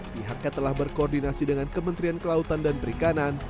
pihaknya telah berkoordinasi dengan kementerian kelautan dan perikanan